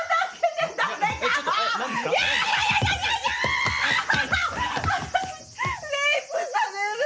レイプされる。